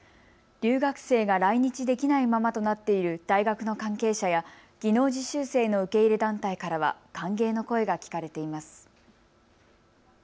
留学生が来日できないままとなっている大学の関係者や技能実習生の受け入れ団体からは歓迎の声が聞かれています。